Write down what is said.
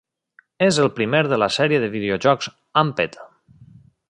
És el primer de la sèrie de videojocs "Amped".